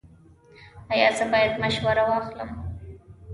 ایا زه باید مشوره واخلم؟